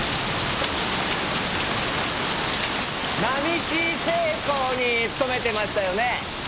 並木精工に勤めてましたよね？